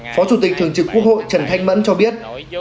phó chủ tịch thường trực quốc hội trần thanh mẫn cho biết